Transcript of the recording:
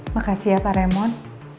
makasih ya pak raymond